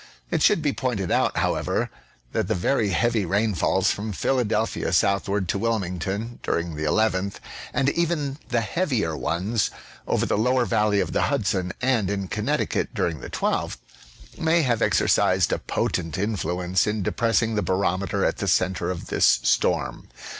It should be pointed out, however, that the very heavy rainfalls from Phil adelphia southward to Wilmington during the 11th, and even the heavier ones over the lower valley of the Hudson and in Connec ticut during the 12th, may have exercised a potent influence in depi'essing the barometer at the centre of this storm.